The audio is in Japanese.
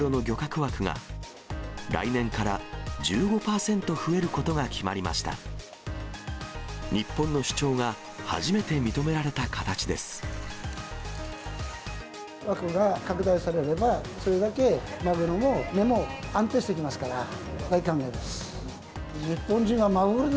枠が拡大されれば、それだけマグロの値も安定してきますから、大歓迎です。